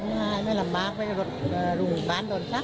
ไม่ลำบากรุ่งบ้านโดนชัก